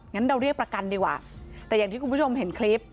งั้นเราเรียกประกันดีกว่าแต่อย่างที่คุณผู้ชมเห็นคลิป